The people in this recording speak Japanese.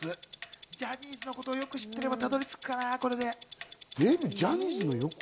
ジャニーズのことをよく知ってれば、たどり着くかな。